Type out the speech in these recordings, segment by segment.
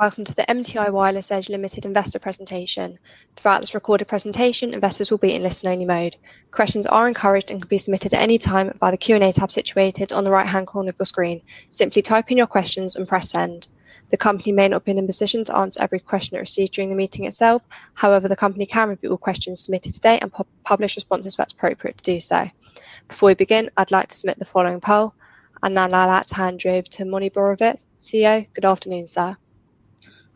Welcome to the M.T.I Wireless Edge Ltd. Investor presentation. Throughout this recorded presentation, investors will be in listen-only mode. Questions are encouraged and can be submitted at any time via the Q&A tab situated on the right-hand corner of your screen. Simply type in your questions and press send. The company may not be in a position to answer every question it receives during the meeting itself. However, the company can review all questions submitted today and publish responses when appropriate to do so. Before we begin, I'd like to submit the following poll. Now I'll hand over to Moni Borovitz, CEO. Good afternoon, sir.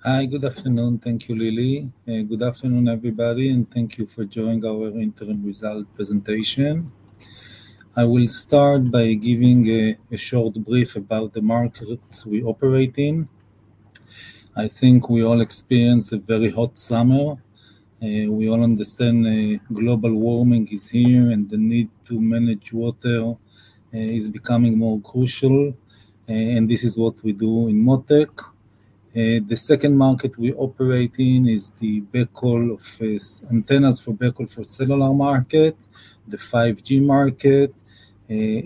Hi, good afternoon. Thank you, Lily. Good afternoon, everybody, and thank you for joining our interim result presentation. I will start by giving a short brief about the markets we operate in. I think we all experienced a very hot summer. We all understand global warming is here and the need to manage water is becoming more crucial. This is what we do in Mottech. The second market we operate in is the backhaul antennas for cellular market, the 5G market.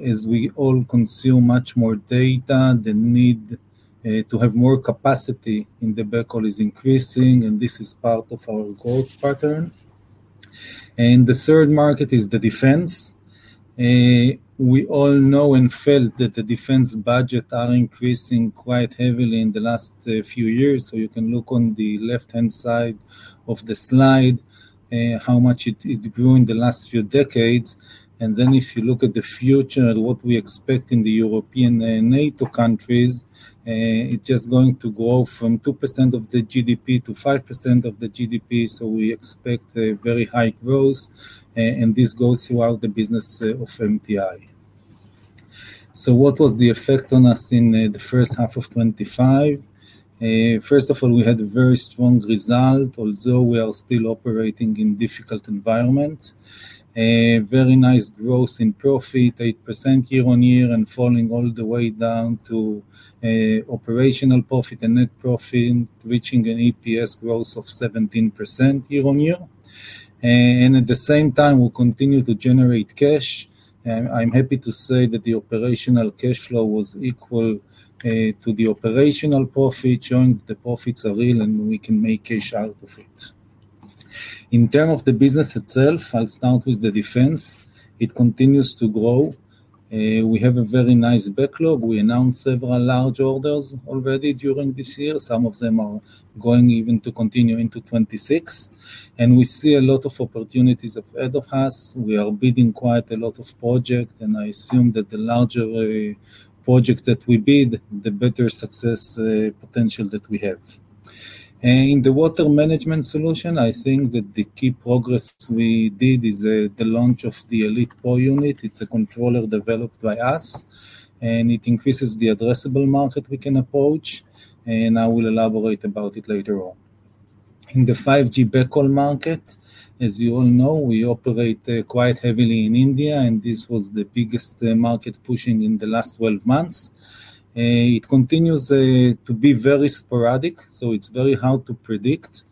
As we all consume much more data, the need to have more capacity in the backhaul is increasing, and this is part of our growth pattern. The third market is the defense. We all know and felt that the defense budget is increasing quite heavily in the last few years. You can look on the left-hand side of the slide how much it grew in the last few decades. If you look at the future and what we expect in the European NATO countries, it's just going to grow from 2% of the GDP to 5% of the GDP. We expect very high growth, and this goes throughout the business of M.T.I Wireless Edge Ltd. What was the effect on us in the first half of 2025? First of all, we had a very strong result, although we are still operating in a difficult environment. Very nice growth in profit, 8% year on year, and falling all the way down to operational profit and net profit, reaching an EPS growth of 17% year on year. At the same time, we continue to generate cash. I'm happy to say that the operational cash flow was equal to the operational profit. Joint profits are real, and we can make cash out of it. In terms of the business itself, I'll start with the defense. It continues to grow. We have a very nice backlog. We announced several large orders already during this year. Some of them are going even to continue into 2026. We see a lot of opportunities ahead of us. We are bidding quite a lot of projects, and I assume that the larger projects that we bid, the better success potential that we have. In the water management solution, I think that the key progress we did is the launch of the Elite Pro controller. It's a controller developed by us, and it increases the addressable market we can approach. I will elaborate about it later on. In the 5G backhaul market, as you all know, we operate quite heavily in India, and this was the biggest market pushing in the last 12 months. It continues to be very sporadic, so it's very hard to predict.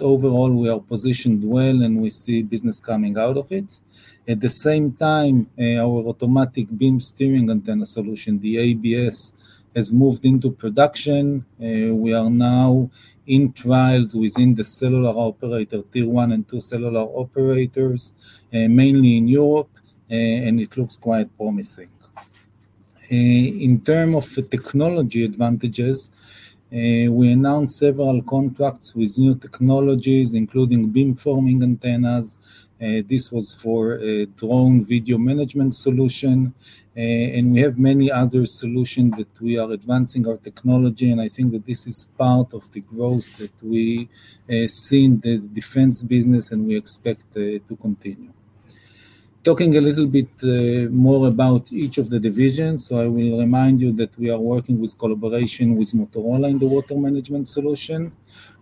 Overall, we are positioned well, and we see business coming out of it. At the same time, our automatic beam steering antenna solution, the ABS, has moved into production. We are now in trials within the cellular operator, Tier 1 and 2 cellular operators, mainly in Europe, and it looks quite promising. In terms of the technology advantages, we announced several contracts with new technologies, including beamforming antennas. This was for a drone video management solution. We have many other solutions that we are advancing our technology, and I think that this is part of the growth that we see in the defense business, and we expect to continue. Talking a little bit more about each of the divisions, I will remind you that we are working with collaboration with Motorola in the water management solution.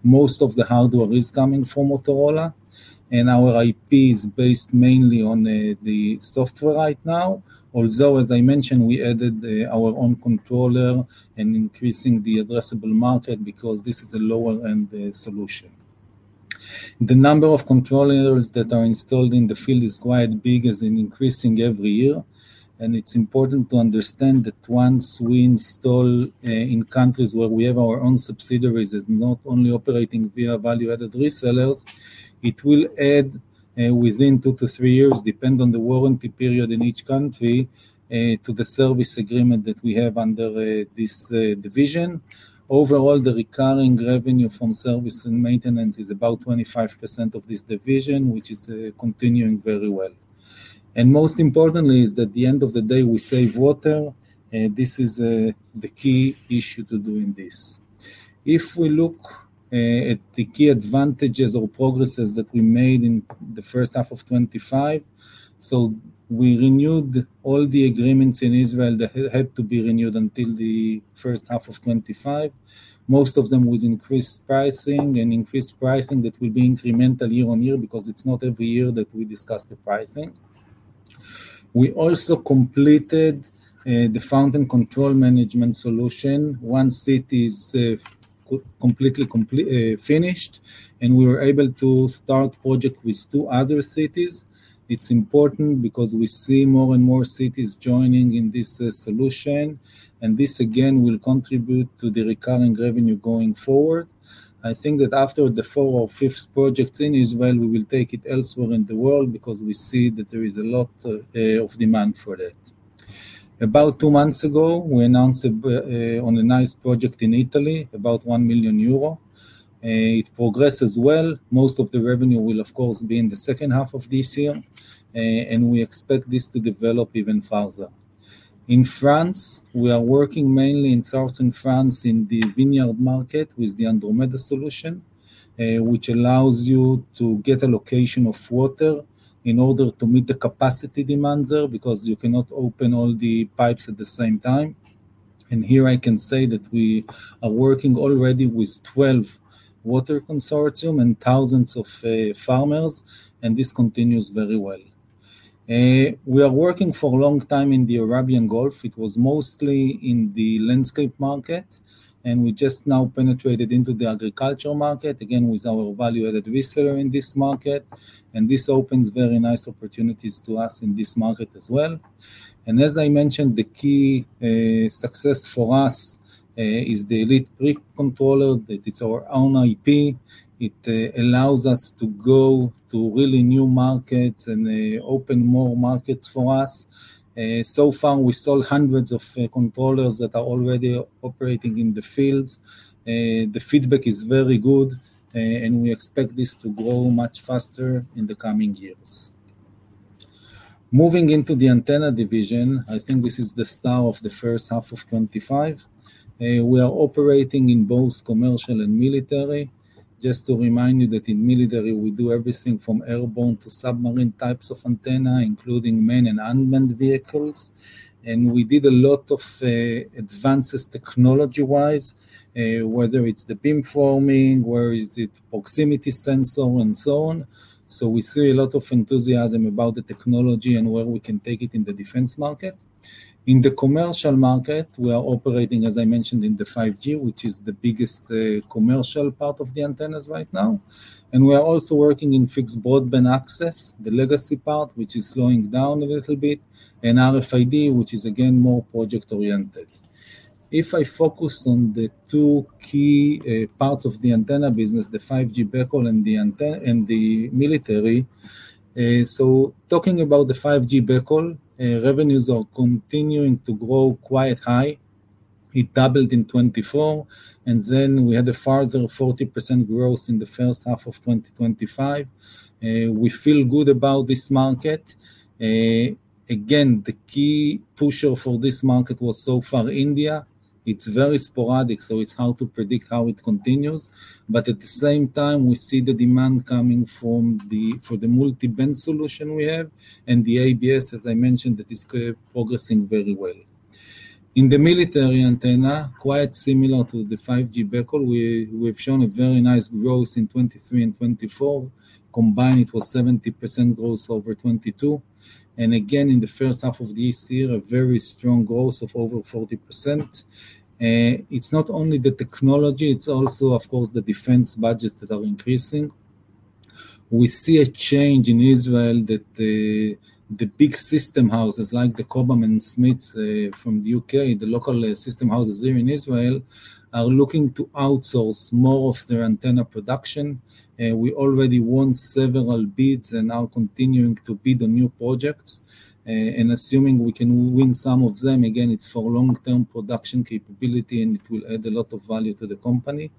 Most of the hardware is coming from Motorola, and our IP is based mainly on the software right now. Although, as I mentioned, we added our own controller and increasing the addressable market because this is a lower-end solution. The number of controllers that are installed in the field is quite big, as it's increasing every year. It's important to understand that once we install in countries where we have our own subsidiaries and not only operating via value-added resellers, it will add within two to three years, depending on the warranty period in each country, to the service agreement that we have under this division. Overall, the recurring revenue from service and maintenance is about 25% of this division, which is continuing very well. Most importantly, at the end of the day, we save water. This is the key issue to do in this. If we look at the key advantages or progresses that we made in the first half of 2025, we renewed all the agreements in Israel that had to be renewed until the first half of 2025. Most of them with increased pricing, and increased pricing that will be incremental year on year because it's not every year that we discuss the pricing. We also completed the fountain control management solution. One city is completely finished, and we were able to start a project with two other cities. It's important because we see more and more cities joining in this solution. This, again, will contribute to the recurring revenue going forward. I think that after the fourth or fifth projects in Israel, we will take it elsewhere in the world because we see that there is a lot of demand for that. About two months ago, we announced a nice project in Italy, about €1 million. It progresses well. Most of the revenue will, of course, be in the second half of this year, and we expect this to develop even further. In France, we are working mainly in southern France in the vineyard market with the Andromeda solution, which allows you to get a location of water in order to meet the capacity demands there because you cannot open all the pipes at the same time. I can say that we are working already with 12 water consortiums and thousands of farmers, and this continues very well. We are working for a long time in the Arabian Gulf. It was mostly in the landscape market, and we just now penetrated into the agricultural market, again with our value-added reseller in this market. This opens very nice opportunities to us in this market as well. As I mentioned, the key success for us is the Elite Pro controller. It's our own IP. It allows us to go to really new markets and open more markets for us. So far, we sold hundreds of controllers that are already operating in the fields. The feedback is very good, and we expect this to grow much faster in the coming years. Moving into the antenna division, I think this is the start of the first half of 2025. We are operating in both commercial and military. Just to remind you that in military, we do everything from airborne to submarine types of antenna, including main and unmanned vehicles. We did a lot of advances technology-wise, whether it's the beamforming, whether it's proximity sensor, and so on. We see a lot of enthusiasm about the technology and where we can take it in the defense market. In the commercial market, we are operating, as I mentioned, in the 5G, which is the biggest commercial part of the antennas right now. We are also working in fixed broadband access, the legacy part, which is slowing down a little bit, and RFID, which is again more project-oriented. If I focus on the two key parts of the antenna business, the 5G backhaul and the military, talking about the 5G backhaul, revenues are continuing to grow quite high. It doubled in 2024, and then we had a further 40% growth in the first half of 2025. We feel good about this market. The key pusher for this market was so far India. It's very sporadic, so it's hard to predict how it continues. At the same time, we see the demand coming from the multiband solution we have and the automatic beam steering (ABS), as I mentioned, that is progressing very well. In the military antenna, quite similar to the 5G backhaul, we've shown a very nice growth in 2023 and 2024. Combined, it was 70% growth over 2022. Again, in the first half of this year, a very strong growth of over 40%. It's not only the technology, it's also, of course, the defense budgets that are increasing. We see a change in Israel that the big system houses like Cobham and Smith from the UK, the local system houses here in Israel, are looking to outsource more of their antenna production. We already won several bids and are continuing to bid on new projects. Assuming we can win some of them, again, it's for long-term production capability, and it will add a lot of value to the company.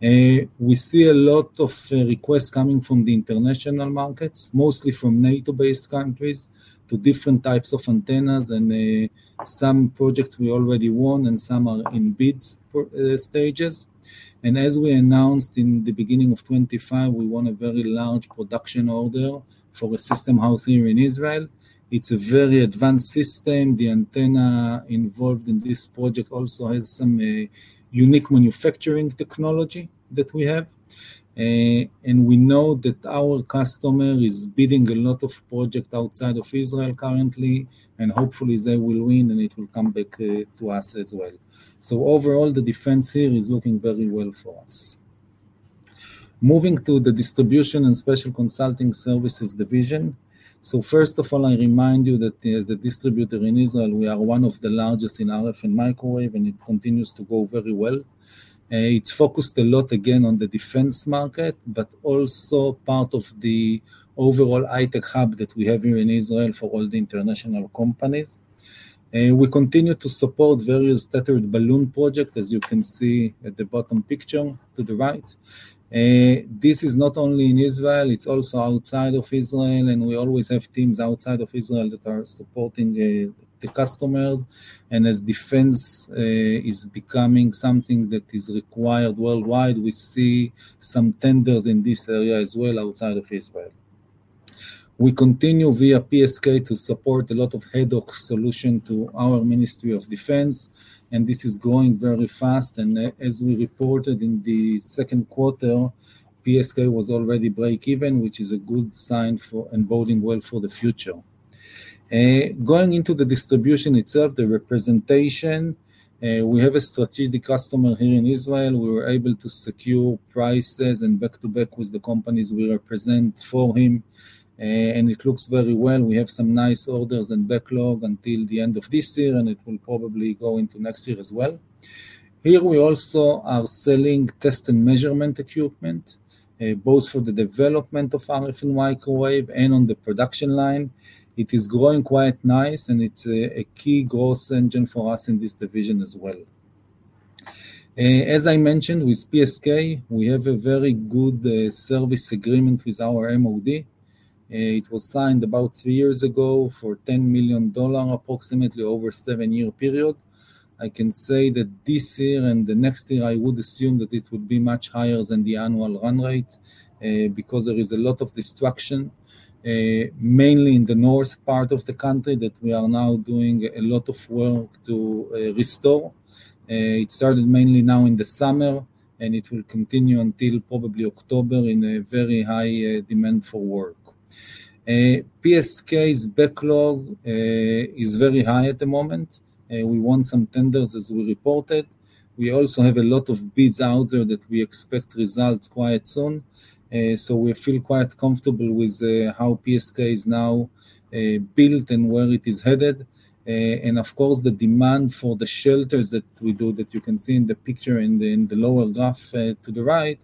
We see a lot of requests coming from the international markets, mostly from NATO-based countries, to different types of antennas. Some projects we already won, and some are in bids stages. As we announced in the beginning of 2025, we won a very large production order for a system house here in Israel. It's a very advanced system. The antenna involved in this project also has some unique manufacturing technology that we have. We know that our customer is bidding a lot of projects outside of Israel currently, and hopefully, they will win, and it will come back to us as well. Overall, the defense here is looking very well for us. Moving to the distribution and special consulting services division. First of all, I remind you that as a distributor in Israel, we are one of the largest in RF and microwave, and it continues to go very well. It's focused a lot, again, on the defense market, but also part of the overall high-tech hub that we have here in Israel for all the international companies. We continue to support various tethered balloon projects, as you can see at the bottom picture to the right. This is not only in Israel, it's also outside of Israel, and we always have teams outside of Israel that are supporting the customers. As defense is becoming something that is required worldwide, we see some tenders in this area as well outside of Israel. We continue via PSK to support a lot of ad-hoc solutions to our Ministry of Defense, and this is growing very fast. As we reported in the second quarter, PSK was already break-even, which is a good sign for and boding well for the future. Going into the distribution itself, the representation, we have a strategic customer here in Israel. We were able to secure prices and back-to-back with the companies we represent for him, and it looks very well. We have some nice orders and backlogs until the end of this year, and it will probably go into next year as well. Here, we also are selling test and measurement equipment, both for the development of RF and microwave and on the production line. It is growing quite nice, and it's a key growth engine for us in this division as well. As I mentioned, with PSK, we have a very good service agreement with our MOD. It was signed about three years ago for $10 million, approximately over a seven-year period. I can say that this year and the next year, I would assume that it would be much higher than the annual run rate because there is a lot of destruction, mainly in the north part of the country that we are now doing a lot of work to restore. It started mainly now in the summer, and it will continue until probably October in a very high demand for work. PSK's backlog is very high at the moment. We won some tenders as we reported. We also have a lot of bids out there that we expect results quite soon. We feel quite comfortable with how PSK is now built and where it is headed. Of course, the demand for the shelters that we do, that you can see in the picture in the lower graph to the right,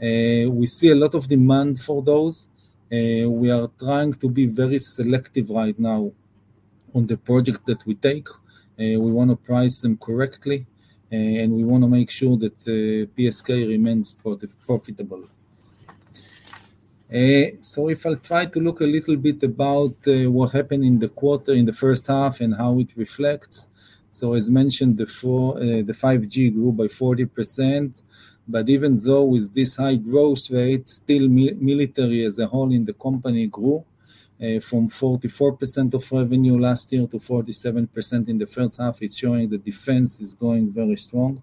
we see a lot of demand for those. We are trying to be very selective right now on the projects that we take. We want to price them correctly, and we want to make sure that PSK remains profitable. If I'll try to look a little bit about what happened in the quarter, in the first half, and how it reflects. As mentioned before, the 5G grew by 40%. Even so, with this high growth rate, still military as a whole in the company grew from 44% of revenue last year to 47% in the first half. It's showing the defense is going very strong.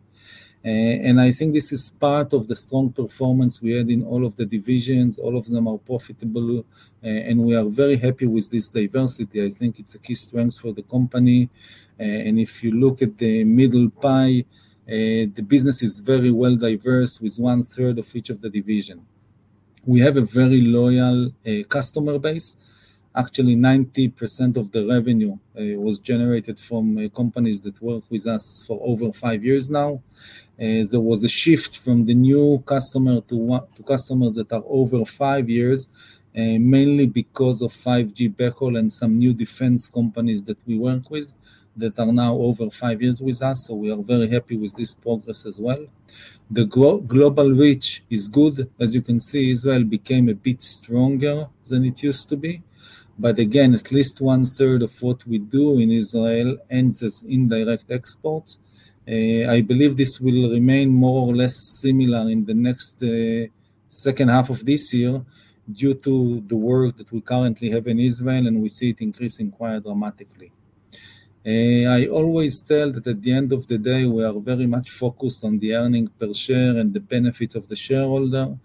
I think this is part of the strong performance we had in all of the divisions. All of them are profitable, and we are very happy with this diversity. I think it's a key strength for the company. If you look at the middle pie, the business is very well diverse with one-third of each of the divisions. We have a very loyal customer base. Actually, 90% of the revenue was generated from companies that work with us for over five years now. There was a shift from the new customer to customers that are over five years, mainly because of 5G backhaul and some new defense companies that we work with that are now over five years with us. We are very happy with this progress as well. The global reach is good. As you can see, Israel became a bit stronger than it used to be. At least one-third of what we do in Israel ends as indirect exports. I believe this will remain more or less similar in the next second half of this year due to the work that we currently have in Israel, and we see it increasing quite dramatically. I always tell that at the end of the day, we are very much focused on the earnings per share and the benefits of the shareholder.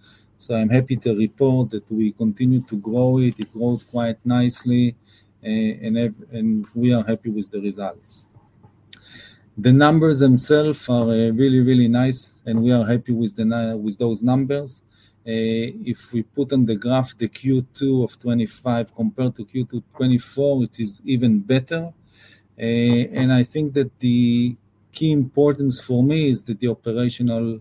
I'm happy to report that we continue to grow it. It grows quite nicely, and we are happy with the results. The numbers themselves are really, really nice, and we are happy with those numbers. If we put on the graph the Q2 of 2025 compared to Q2 of 2024, it is even better. I think that the key importance for me is that the operational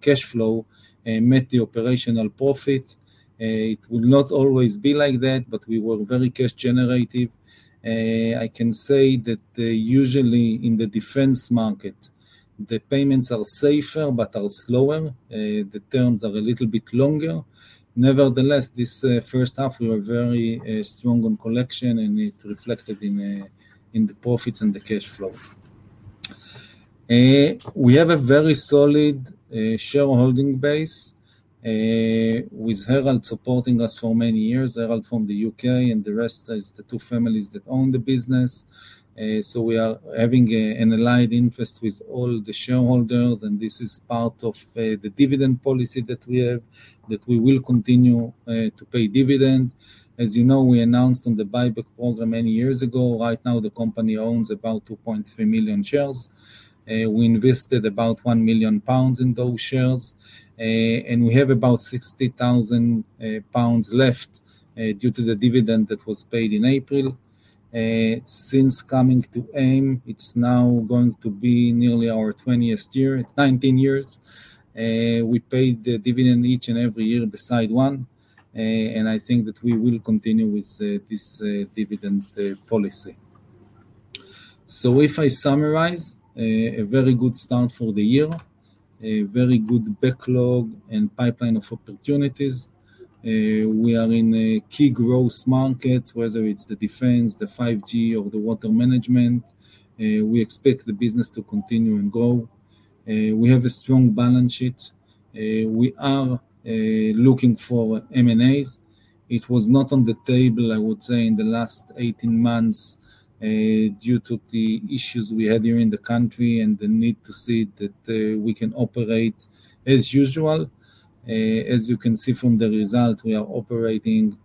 cash flow met the operational profit. It will not always be like that, but we were very cash-generative. I can say that usually in the defense market, the payments are safer but are slower. The terms are a little bit longer. Nevertheless, this first half, we were very strong on collection, and it reflected in the profits and the cash flow. We have a very solid shareholding base with Herald supporting us for many years, Herald from the UK, and the rest are the two families that own the business. We are having an allied interest with all the shareholders, and this is part of the dividend policy that we have, that we will continue to pay dividends. As you know, we announced on the share buyback program many years ago. Right now, the company owns about 2.3 million shares. We invested about £1 million in those shares, and we have about £60,000 left due to the dividend that was paid in April. Since coming to AIM, it's now going to be nearly our 20th year. It's 19 years. We paid the dividend each and every year beside one, and I think that we will continue with this dividend policy. If I summarize, a very good start for the year, a very good backlog, and pipeline of opportunities. We are in key growth markets, whether it's the defense sector, the 5G, or the water management. We expect the business to continue and grow. We have a strong balance sheet. We are looking for M&As. It was not on the table, I would say, in the last 18 months due to the issues we had here in the country and the need to see that we can operate as usual. As you can see from the result, we are operating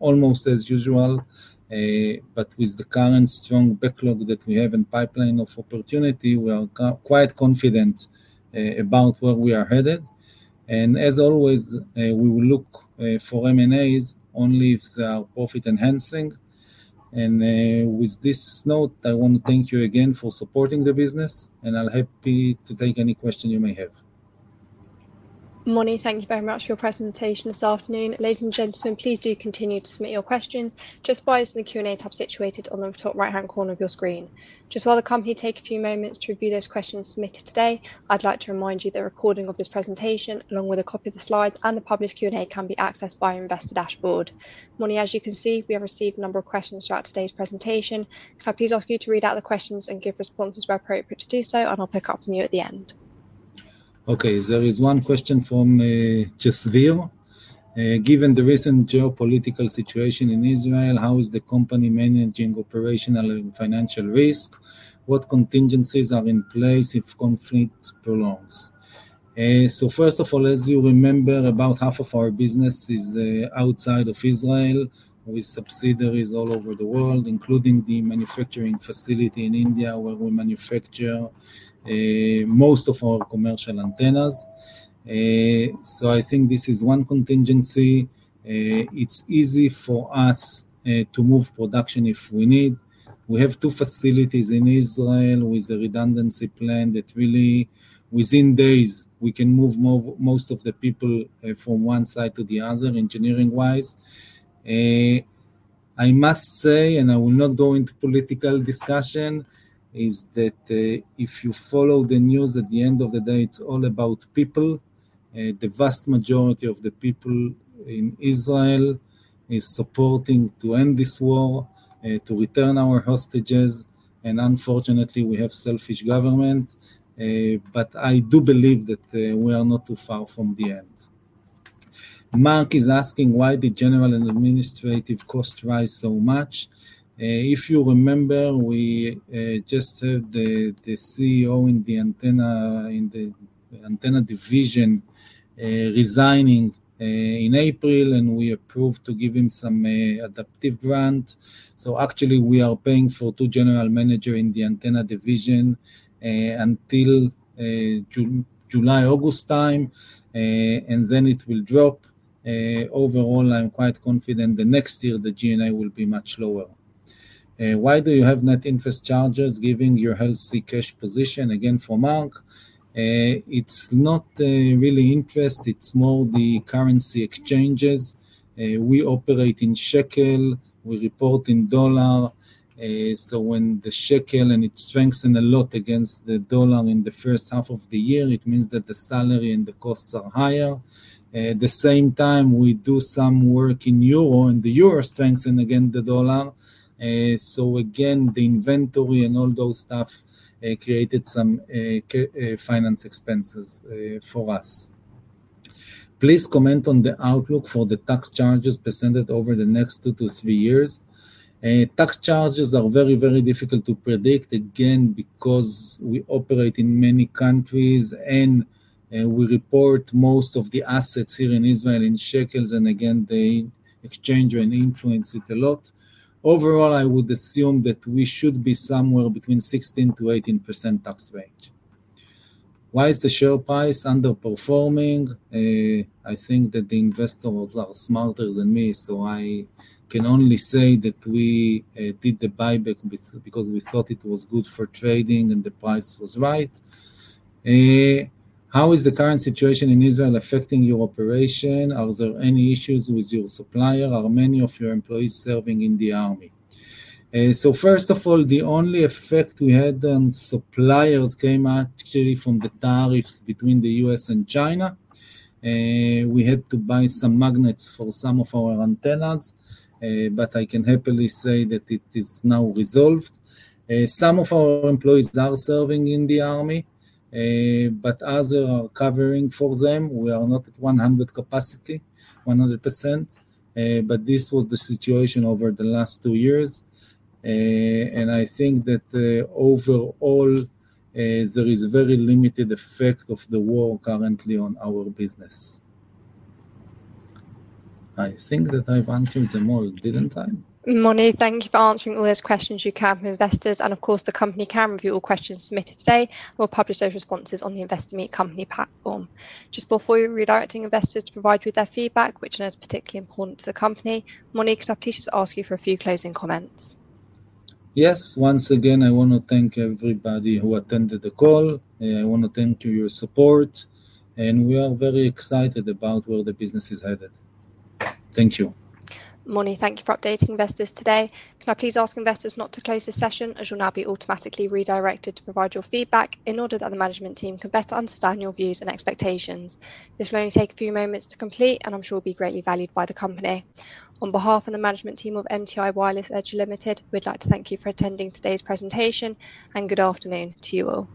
almost as usual. With the current strong backlog that we have and pipeline of opportunity, we are quite confident about where we are headed. As always, we will look for M&As only if they are profit-enhancing. With this note, I want to thank you again for supporting the business, and I'm happy to take any question you may have. Moni, thank you very much for your presentation this afternoon. Ladies and gentlemen, please do continue to submit your questions just by using the Q&A tab situated on the top right-hand corner of your screen. While the company takes a few moments to review those questions submitted today, I'd like to remind you that the recording of this presentation, along with a copy of the slides and the published Q&A, can be accessed via Investor Dashboard. Moni, as you can see, we have received a number of questions throughout today's presentation. I please ask you to read out the questions and give responses where appropriate to do so, and I'll pick up from you at the end. OK, there is one question from Jasveer. Given the recent geopolitical situation in Israel, how is the company managing operational and financial risk? What contingencies are in place if conflict prolongs? First of all, as you remember, about half of our business is outside of Israel. We have subsidiaries all over the world, including the manufacturing facility in India, where we manufacture most of our commercial antennas. I think this is one contingency. It's easy for us to move production if we need. We have two facilities in Israel with a redundancy plan that really, within days, we can move most of the people from one site to the other, engineering-wise. I must say, and I will not go into political discussion, if you follow the news, at the end of the day, it's all about people. The vast majority of the people in Israel is supporting to end this war, to return our hostages. Unfortunately, we have a selfish government. I do believe that we are not too far from the end. Mark is asking, why did general and administrative costs rise so much? If you remember, we just had the CEO in the antenna division resigning in April, and we approved to give him some adaptive grant. Actually, we are paying for two general managers in the antenna division until July, August time, and then it will drop. Overall, I'm quite confident next year the GNI will be much lower. Why do you have net interest charges given your healthy cash position? Again, for Mark, it's not really interest. It's more the currency exchanges. We operate in shekel. We report in dollar. When the shekel strengthens a lot against the dollar in the first half of the year, it means that the salary and the costs are higher. At the same time, we do some work in euro, and the euro strengthens against the dollar. The inventory and all those stuff created some finance expenses for us. Please comment on the outlook for the tax charges presented over the next two to three years. Tax charges are very, very difficult to predict, again, because we operate in many countries, and we report most of the assets here in Israel in shekels. They exchange and influence it a lot. Overall, I would assume that we should be somewhere between 16% to 18% tax rate. Why is the share price underperforming? I think that the investors are smarter than me, so I can only say that we did the buyback because we thought it was good for trading and the price was right. How is the current situation in Israel affecting your operation? Are there any issues with your supplier? Are many of your employees serving in the army? First of all, the only effect we had on suppliers came actually from the tariffs between the U.S. and China. We had to buy some magnets for some of our antennas, but I can happily say that it is now resolved. Some of our employees are serving in the army, but others are covering for them. We are not at 100% capacity. This was the situation over the last two years. I think that overall, there is a very limited effect of the war currently on our business. I think that I've answered them all, didn't I? Moni, thank you for answering all those questions you can for investors. The company can review all questions submitted today or publish those responses on the Investor Meet Company platform. Just before you're redirecting investors to provide you with their feedback, which I know is particularly important to the company, Moni, could I please just ask you for a few closing comments? Yes, once again, I want to thank everybody who attended the call. I want to thank you for your support, and we are very excited about where the business is headed. Thank you. Moni, thank you for updating investors today. Now, please ask investors not to close the session, as you'll now be automatically redirected to provide your feedback in order that the management team can better understand your views and expectations. This will only take a few moments to complete, and I'm sure it will be greatly valued by the company. On behalf of the management team of M.T.I Wireless Edge Ltd., we'd like to thank you for attending today's presentation, and good afternoon to you all.